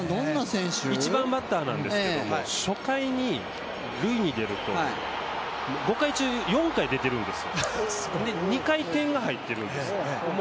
１番バッターなんですけど初回に塁に出ると５回中４回出てるんですよ、２回、点が入ってるんですよ。